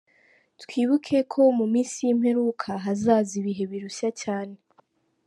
twibuke ko mu minsi y’imperuka hazaza ibihe birushya cyane.